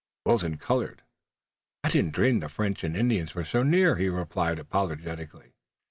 Wilton colored. "I didn't dream the French and Indians were so near," he replied apologetically.